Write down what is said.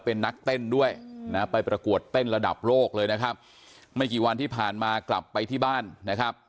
เป็นนักเต้นด้วยนะไปประกวดเต้นระดับโลกเลยนะครับไม่กี่วันที่ผ่านมากลับไปที่บ้านนะครับ